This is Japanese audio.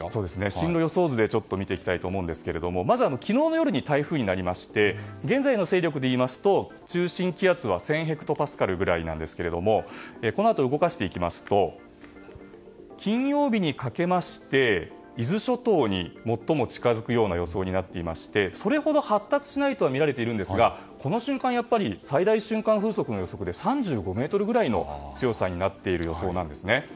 進路予想図で見ていきたいと思いますがまず昨日の夜に台風になりまして現在の勢力でいいますと中心気圧は１０００ヘクトパスカルくらいなんですがこのあと動かしていきますと金曜日にかけまして伊豆諸島に最も近づくような予想になっていましてそれほど発達しないとはみられているんですがこの瞬間、最大瞬間風速の予測で３５メートルぐらいの強さになっている予想なんですね。